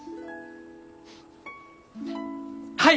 はい！